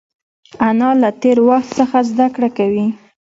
انا له تېر وخت څخه زده کړه کوي